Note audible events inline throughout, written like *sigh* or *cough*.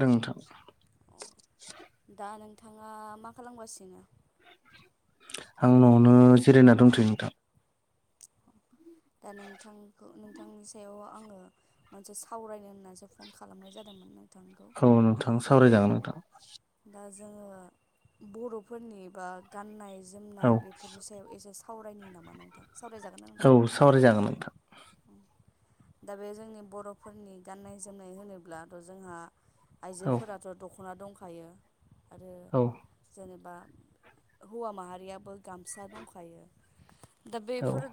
नोंथां अ दा नोंथाङा मा खालामगासिनो आं न'आवनो जिरायना दंथ'यो नोंथां दा नोंथांखौ नोंथांनि सायाव आङो मोनसे सावरायनो होननानैसो फन खालामनाय जादोंमोन नों औ नोंथां सावरायजागोन नोंथां दा जोङो बर'फोरनि बा गाननाय जोमनाय औ बेफोरनि सायाव एसे सावरायनो नामा नोंथां सावरायजागोन ना औ सावरायजागोन नोंथां। दा बे जोंनि बर'फोरनि गाननाय जोमनाय होनोब्लाथ' जोंहा औ आइजोफोराथ' दख'ना दंखायो आरो औ जेनेबा हौवा माहारियाबो गामसा दंखायो दा औ बेफोर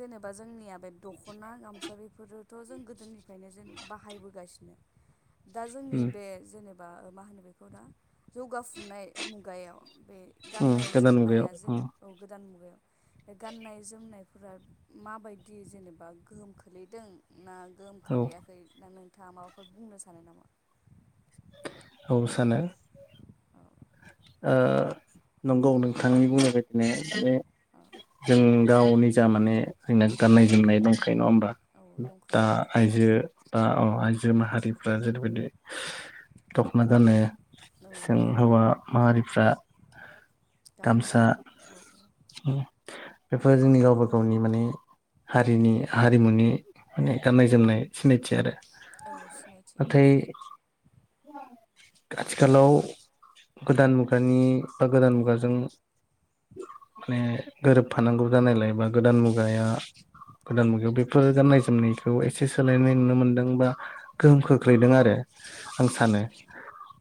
जेनेबा जोंनिया बे दख'ना गामसा बेफोरो थ' जों गोदोनिफ्रायनो जेन बाहायबोगासिनो दा जोंनि उम बे जेने बा मा होनो बेखौ दा जौगाफुनाय मुगायाव बे उम गाननाय गोदान मुगायाव जोमनाया जों उम औ गोदान मुगायाव बे गाननाय जोमनायफोरा माबायदि जेनेबा गोहोम खोलैदों ना गोहोम औ खोलैयाखै नोंथाङा माबाफोर बुंनो सानो नामा? औ सानो। औ ओ नंगौ नोंथांनि बुंनाय बायदिनो बे औ जों गाव निजा माने *unintelligible* गाननाय जोमनाय दंखा यो नङा होमबा औ दा दंखायो औ आइजो बा आइजो माहारिफ्रा जेरैबायदि दखना गानो। औ दख'ना। फ्रा गामसा औ-औ बेफोर जोंनि गावबा गावनि माने हारिनि हारिमुनि माने गाननाय जोमनाय सिनायथि आरो। औ सिनायथि नाथाय आथिखालाव गोदान मुगानि बा गोदान मुगाजों माने गोरोबफानांगौ जानायलाय बा गोदान मुगाया गोदान मुगायाव बेफोर गाननाय जोमनायखौ एसे सोलायनाय नुनो मोन्दों बा गोहोम खोख्लैदों आरो। आं औ सानो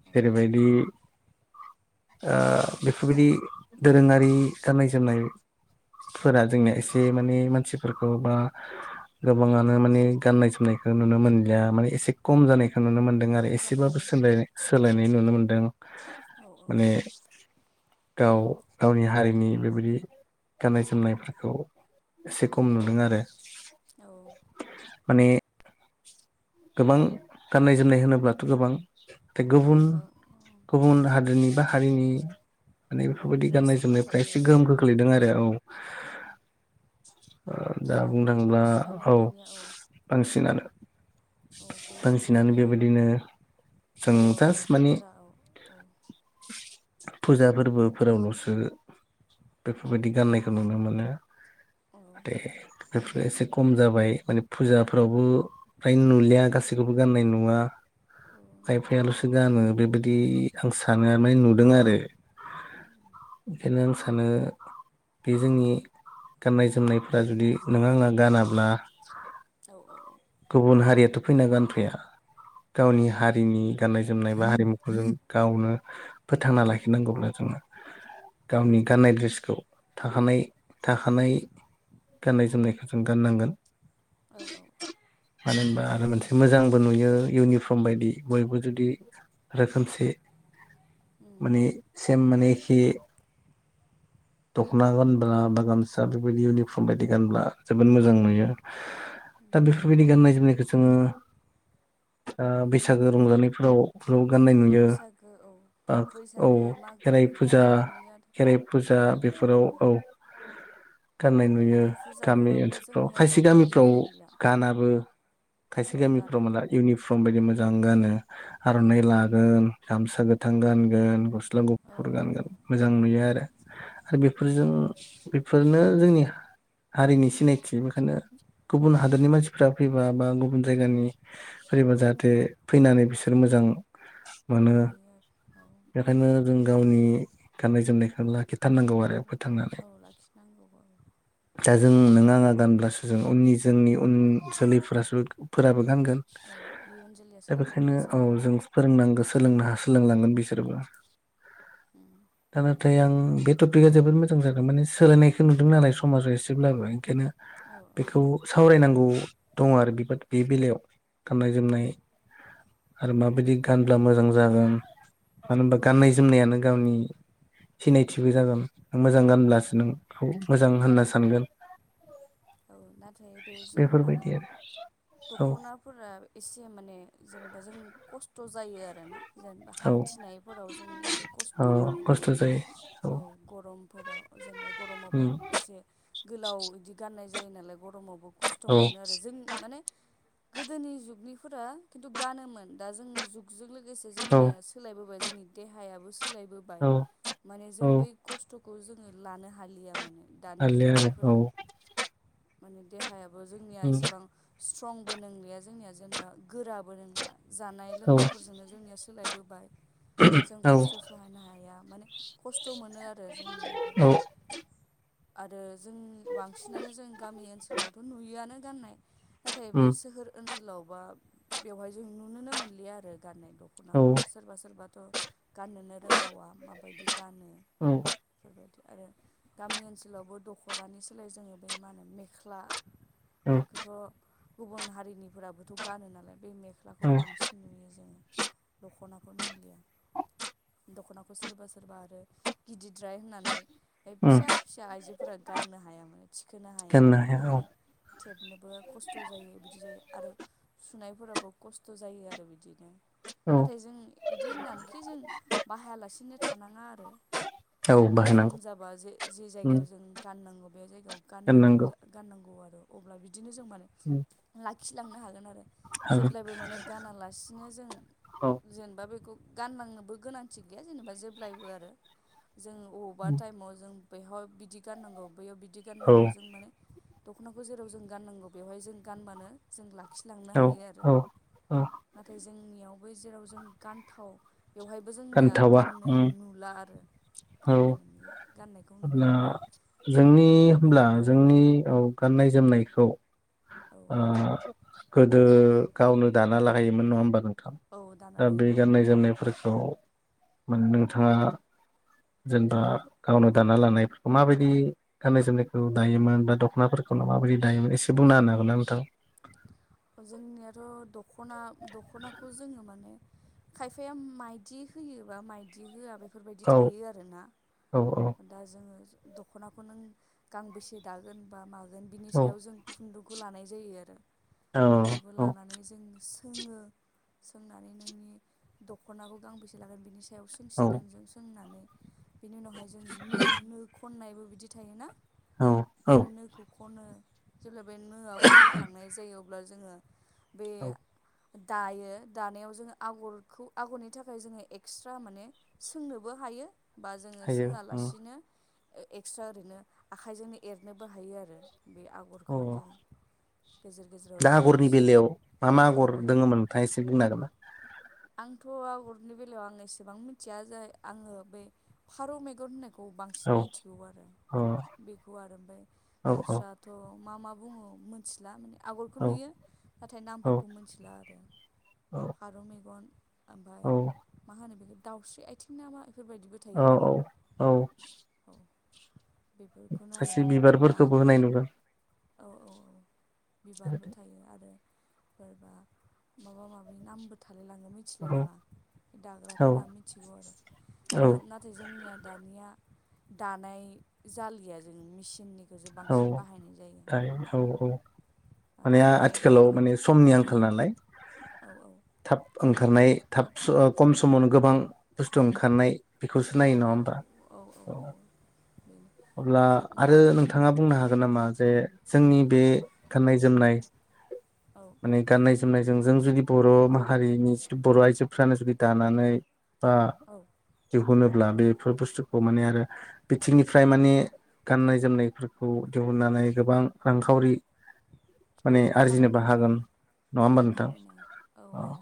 औ जेरैबायदि ओ बेफोरबायदि दोरोङारि गाननाय जोमनाय फोरा जोंनिया एसे माने मानसिफोरखौ बा गोबाङानो माने गाननाय जोमनायखौ नुनो मोनलिया माने एसे खम जानायखौ नुनो मोन दों आरो खम एसेबो जाबाय औ खम सोला-सोलायनाय नुनो मोनदों औ औ माने गाव-गावनि हारिनि बेबायदि गाननाय जोमनायफोरखौ एसे खम नुदों आरो। औ माने गोबां गाननाय जोमनाय होनोब्लाथ' गोबां नाथाय गोबां औ गुबुन-गुबुन हादोरनि बा हारिनि माने औ बेफोरबायदि गाननाय द्रेसफोर जोमनायफ्रा थायो एसे आरो गोहोम औ गोख्लैदों आरो औ। औ ओ औ दा बुंनो थाङोब्ला बांसिनानो औ दानिया बांसिनानो औ बे बांसिनानो जोंनिया बेबायदिनो जों बर' जास्ट माने आइजोफोरा औ-औ। फुजा फोरबोफोरावल'सो बेफोरबायदि गाननायखौ नुनो मोनो। औ *unintelligible* बेफोरो एसे खम जाबाय माने फुजाफोरावबो फ्राय नु लिया गासिखौबो गाननाय नुङा औ नुलिया खायफाया लसो गानो बेबा दि आं सानो माने नुदों आरो बेंखायनो आं सानो। बे जोंनि गाननाय जोमनायफोरा जुदि नों आंहा गानाब्ला औ-औ-औ गुबुन हारियाथ' फैना गानफैया गावनि औ हारिनि गाननाय जोमनाय बा हारिमुखौ जों गावनो फोथांना लाखिनांगौब्ला जोङो गावनि गाननाय ड्रेसखौ थाखानाय-थाखानाय गाननाय जोमनायखौ जों गाननांगोन। औ-औ मानो होनबा आरो मोनसे मोजांबो नुयो इउनिफर्म बायदि बयबो जुदि रोखोमसे माने सेम माने एखे दख'ना गानब्ला बा गामसा बेफोरबायदि इउनिफर्म बायदि गानब्ला जोबोद मोजां नुयो। दा बेफोरबायदि गाननाय जोमनायखौ जोङो ओ बैसागो नुनो रंजानायफोराव *unintelligible* गाननाय नुयो। बैसागो औ आ औ बैसागो मागो खेराइ फुजा बेफोराव नुयो आरो खेराइ फुजा औ बेफोराव नुयो औ गाननाय नुयो नाथाय गामि फुजाफोरावबो ओनसोलफ्राव जोंनिया खायसे दानिया गामिफ्राव नुनो मोनला औ गानाबो खायसे औ गामिफ्राव गानाबो मोनला इउनिफर्म बायदि मोन मोजां गानो आर'नाइ उम लागोन गामसा गोथां गानगोन गस ला औ गुफुर औ गानगोन मोजां औ नुयो आरो। हा बे फोरजों बेफोरनो जोंनि हारिनि सिनायथि बेखायनो गुबुन हादोरनि मानसिफ्रा फैबा बा गुबुन जायगानि फैबा जाहाथे फैनानै बिसोर मोजां मोनो मिनियो आरो औ बेखायनो जों गावनि गाननाय जोमनायखौनो लाखिथारनांगौ आरो। ओमफ्राय फोथांनानै औ लाखिनांगौबो दा जों नों आं गानब्लासो जों उननि जोंनि उन जोलैफोरासो फोराबो नांगोन औ इयुन जोलैया दा सोलिलां बेखायनो औ जों सोलोंलांगोन फोरोंनांगोन *unintelligible* लोंलांगोन बिसोरबो उम दा नाथाय आं बे टपिकआ जोबोद मोजां जादों माने सोलायनायखौ नुदों नालाय समाजाव एसेब्लाबो ओंखायनो औ बेखौ सावरायनांगौ दङ आरो बिबायदि बे बेलायाव गाननाय औ जोमनाय आरो माबायदि गानब्ला मोजां जागोन मानो होनबा गाननाय जोमनायानो गावनि सिनायथिबो जागोन मोजां उम गानब्लासो नोंखौ मोजां होनना सानगोन। औ दा बेफोरबायदि आरो औ दख'नाफोरा एसे माने जेनेबा जों खस्थ' जायो आरोना। जेनेबा औ हान्थिनायफोराव जों एसे खस्थ' औ मोनो। खस्थ' जायो औ गरमफोराव जेनेबा गरमाबबो उम एसे गोलाव बिदि गाननाय जायो। जायो नालाय ग'रमावबो खस्थ' औ मोनो आरो जों माने गोदोनि जुगनि फोरा खिन्थु गानोमोन दा जोंनि जुगजों लोगोसे औ जोंनिया सोलायबोबाय जोंनि देहायाबो सोलायबोबाय औ माने जों औ बै खस्थ'खौ जोङो लानो हालिया माने दानि हालिया आरो औ। जुगनिफोरा माने देहायाबो जोंनिया उम एसेबां स्ट्रंबो नंलिया जोंनिया जेनेबा गोराबो नोंला जानाय औ लोंनायफोरजोंनो जोंनिया सोलायबोबाय जों औ खस्थ' सहायनो हाया माने खस्थ' मोनो आरो जोंनियाफोर औ आरो जों बांसिन नानो जों गामि ओनसोलावथ' नुयोआनो गाननाय नाथाय बे उम सोहोर ओनसोलाव *unintelligible* बेवहाय जों नुनोनो मोनलिया आरो गाननाय औ दख'नाखौ सोरबा सोरबा थ' गाननोनो रोंबावा माबायदि गानो औ। आरो गामि ओनसोलावबो दख'नानि सोलाय जोङो बे मा होनो मेख्ला औ बेखौथ'। गुबुन हारिनिफोराबोथ' गानो नालाय बे औ मेख्लाखौ बांसिन नुयो जोङो। दख'नाखौ नुलिया दख'नाखौ सोरबा सोरबा आरो गिदिरद्राय होननानै उम फिसा फिसा आइजोफोरा गाननो हाया माने थिखोनो हाया गाननो औ बा थेबनोबो खस्थ' जायो बिदि जायो आरो सुनायफोराबो खस्थ' जायो आरो बिदिनो औ नाथाय जों बिदि होननानैखि जों बाहायालासिनो थानाङा आरो औ सम बाहायनांगौ जाबा जे जे उम जायगायाव जों गाननांगौ बे जायगायाव गाननांगौ जा गाननांगौ आरो अब्ला बिदिनो जों माने उम लाखिलांनो हागोन आरो। हागोन जेब्लायबो माने गानालासिनो जों औ जेनेबा बेखौ गानलांनोबो गोनांथि गैया जेनेबा जेब्लायबो आरो। जों अबावबा उम टाइमाव जों बेहाय बिदि गाननांगौ बैयाव बिदि औ गाननांगौ जों माने दख'नाखौ जेराव जों गाननांगौ बेवहाय जों गानबानो जों लाखिलांनो औ हायो आरो। औ औ नाथाय जोंनियावबो जेराव जों गानथाव बेवहायबो जोंनिया गानथावा गाननो उम नुला आरो। औ गाननो मोनि गाननायखौ नुनो मोनलिया। *unintelligible* गुबुन होनब्ला औ जोंनि औ गाननाय जोमनायखौ औ ओ औ गोदो गावनो दाना लायोमोन नङा होमबा नों थां? औ दाना दा बे लायोमोन गाननाय जोमनायफोरखौ माने नोंथाङा जेन'बा गावनो दा ना लानाय माबायदि गाननाय जोमनायखौ दायोमोन बा दख'नाफोरखौ माबायदि दायोमोन एसे बुंना होनो हागोन नोंथां? जोंनियाथ' दख'ना दख'नाखौ जोङो माने खायफाया माइदि होयोबा माइदि होआ बे फोरबायदि औ थायो आरोना औ दा जोङो दख'नाखौ नों गांबेसे दागोन बा मागोन बिनि औ सायाव जों खुन्दुंखौ लानाय जायो आरो। खुन्दुंखौ औ लानानै जों सोङो सोंनानै नोंनि दख'नाखौ गांबैसे लागोन बिनि सायाव औ सोंसिगोन जों सोंनानै बिनि उनावहाय जों नो नो खननायबो बिदि थायोना? औ बे नोखौ खनो जेब्ला बे नोआ खनखां जायो अब्ला जोङो बे औ दायो दानायाव जोङो आगरखौ आगरनि थाखाय जोङो एक्सट्रा माने सोंनोबो हायो बा जोङो हायो उम सोङालासिनो एक्सट्रा ओरैनो आखाइजोंनो एरनोबो हायो आरो। बे औ आगरखौ जोङो गेजेर गेजेराव दा जोङो आगरनि जि बेलायाव मा मा औ आगर औ दोङोमोन नोंथाङा एसे बुंनो हागोन ना? आंथ' आगरनि बेलायाव आं एसेबां मिथिया जाय आङो बै फारौ मेगन होननाय खौ औ बांसिन मिथिगौ आरो अ बेखौ आरो ओमफ्राय औ औ दस्राथ' मा मा बुङो मोनथिला माने आगरखौ औ नुयो नाथाय औ नामफोरखौ मिथिला आरो। फारौ मेगन ओमफ्राय औ मा होनो बेखौ दाउस्रि आइथिं ना मा औ औ औ। औ बेफोरखौनो आरो खायसे दां बिबारफोरखौबो होनाय नुुदों। औ औ बिबारबो थायो आरो बा माबा माबि नामबो थालायलाङो मिथिलाय औ लाङा औ दाग्राफोरा मिथिगौ आरो दा औ नाथाय जोंनिया दानिया दानाय जालिया जों मेचिननि औ दायो औ औ। माने नाथाय दानाय आथिखालाव दख'ना माने समनि आंखाल नालाय औ औ थाब ओंखारनाय थाब खम समावनो गोबां बुस्थु ओंखारनाय बेखौसो नायो नङा होमबा औ बेनो अब्ला जे आरो माजों नों थाङा बुंनो हागोन नामा जे जोंनि बे गाननाय जोमनाय औ औ माने गाननाय जोमनाय जों जों जुदि बर' माहारिनि जिथु बर' आइजोफ्रानो जुदि दानानै बा औ दिहुनो ब्ला बेफोर बुस्थुखौ माने आरो बिथिंनिफ्राय माने गाननाय जोमनाय फोर खौ दिहुननानै गोबां रांखावरि औ माने औ आरजिनोबो खामायनो हायो हागोन नङा औ होमबा नोंथां खामायनो हायो औ अ हायो।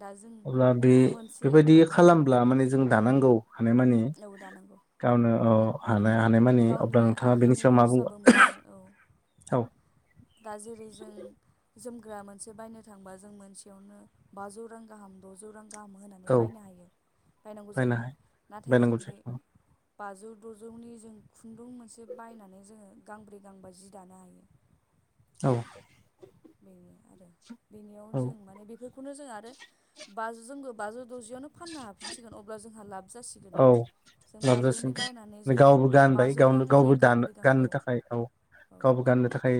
दा जों अब्ला बे मोनसे बेबायदि औ खालामब्ला माने जों दानांगौ हानायमानि औ दानांगौ गावनो अ हानाय हानायमानि गावनि अब्ला नोंथाङा बेनि आखाइनि सायाव मा बुंगोन खरसाबो मोनो औ औ दा जेरै जों जोम ग्रा मोनसे बायनो थांबा जों मोनसेयावनो बाजौ रां गाहाम द'जौ रां गाहाम होनानै औ बायनो हायो बायनांगौ बायना जायो नाथाय बायनांगौ जों बे जायो बाजौ दजौनि जों खुन्दुं मोनसे बायनानै जोङो गांब्रै गांबा जि दानो हायो। औ। बेनियाव आरो बेनियाव औ जों माने बेफोरखौनो जों आरो बाजौजोंबो बाजौ द'जियावनो फाननो हाफिनसिगोन अब्ला जोंहा लाब जासिगोन जों बाजौनि बायनानै लाबजासिनो जों गावबो गानबाय बाजौ गावनो रांनिनो गावबो दानो गांब्रै गां गाननो औ थाखाय औ औ गावबो गाननो थाखाय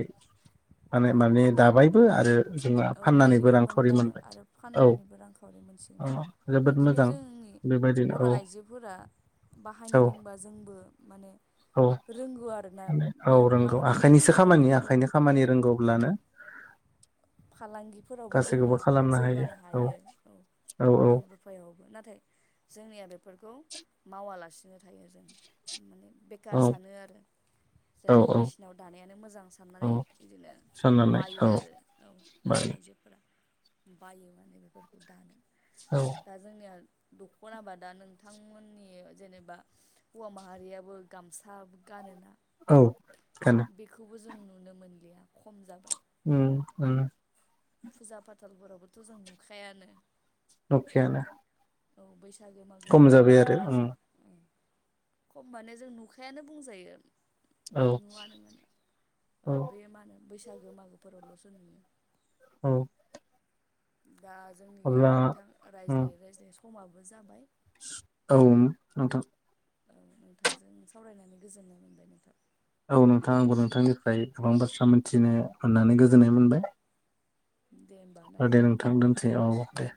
मानो औ माने दाबायबो आरो जोंहा औ फाननानैबो निजेबो रांखावरि मोनबायबो मोनबाय आरो औ फाननानैबो रांखावरि औ मोनसिनो जोबोद बिदिनो मोजां जोंनि बेबायदिनो औ फोर औ बाहायनो रोंबा जोंबो माने औ रोंगौ आरोना माने औ बे मा रोंगौ होनो बेखौ आखाइनिसो खामानि फालांगि आखाइनि खालामो खामानि औ रोंगौब्लानो फालांगिफोरावबो जोङो गासैखौबो खालामनो जौगानो औ हायो औ। औ रां रुफायावबो नाथाय जोंनिया बेफोरखौ मावालासिनो थायो जों माने बेखार औ सानो आरो। औ जोंना औ मेसिनाव दानायानो मोजां औ साननानै बिदिनो साननानै बायो औ आरो। औ दानि बायो आइजोफोरा बायो माने बेफोरखौ दानो औ दा जोंनिया दखनाबा दा नोंथांमोननि जेनेबा हौवा माहारियाबो गामसा गानोना औ बेखायनो बेखौबो जों नुनो मोनलिया खम जाबाय। उम उम फुजा फाथालफोरावबोथ जों नुखायानो नुखायानो औ बैसागो मागोफोरावलसो उम नुसै खमबानो जों नुखायानो बुंजायो। औ नुवानोमोन औ औ दा जोंनिया अब्ला नोंथां उम रायज्लायै रायज्लायै समाबो जाबाय। औ नोंथां औ नोंथांजों सावरायनानै गोजोननाय मोनबाय नोंथां। औ नोंथां आंबो नोंथांनिफ्राय गोबां बाथ्रा मोनथिनो मोननानै गोजोननाय औ मोनबाय दे होमबा ना ओ दे नोंथां दोनसै औ औ दे।